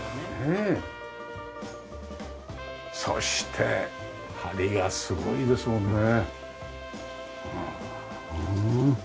そして梁がすごいですもんね。